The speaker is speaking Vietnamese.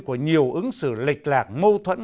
của nhiều ứng xử lịch lạc mâu thuẫn